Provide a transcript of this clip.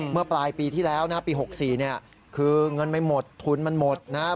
เมื่อปลายปีที่แล้วนะปี๖๔เนี่ยคือเงินไม่หมดทุนมันหมดนะครับ